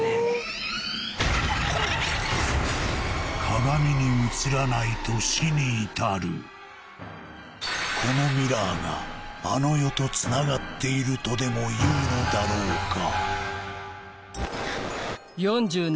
鏡に映らないと死に至るこのミラーがあの世とつながっているとでもいうのだろうか？